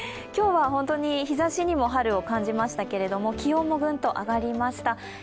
今日は本当に日ざしにも春を感じましたけど気温もぐんと上がりました。